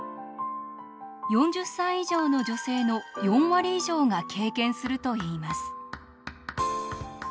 ４０歳以上の女性の４割以上が経験するといいます。